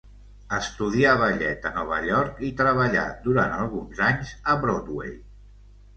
Estudià ballet a Nova York i treballà durant alguns anys a Broadway.